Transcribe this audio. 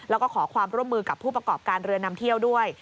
แล้วก็ขอความร่วมมือกับผู้ประกอบการเรือนำเที่ยวด้วย